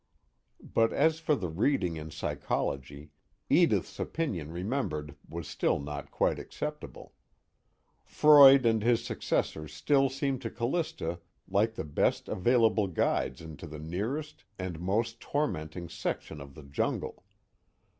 But as for the reading in psychology, Edith's opinion remembered was still not quite acceptable. Freud and his successors still seemed to Callista like the best available guides into the nearest and most tormenting section of the jungle.